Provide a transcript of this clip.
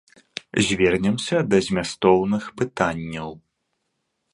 Звернемся да змястоўных пытанняў.